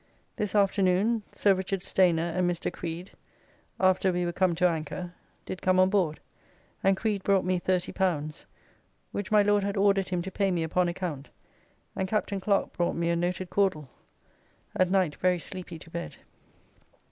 This afternoon Sir Rich. Stayner and Mr. Creed, after we were come to anchor, did come on board, and Creed brought me L30, which my Lord had ordered him to pay me upon account, and Captain Clerke brought me a noted caudle. At night very sleepy to bed.